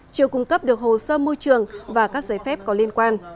chưa cung cấp được hồ sơ môi trường và các giấy phép có liên quan